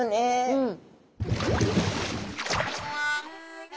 うん。